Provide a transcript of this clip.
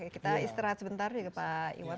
kita istirahat sebentar juga pak iwan